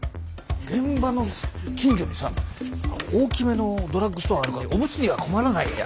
現場の近所にさ大きめのドラッグストアあるからオムツには困らないよ。